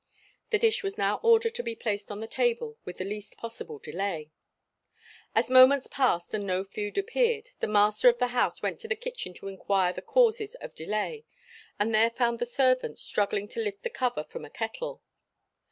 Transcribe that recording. The dish was now ordered to be placed on the table with the least possible delay. As moments passed and no food appeared the master of the house went to the kitchen to inquire the causes of delay and there found the servant struggling to lift the cover from a kettle.